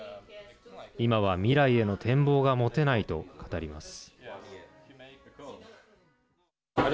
今は未来への展望が持てないと語ります。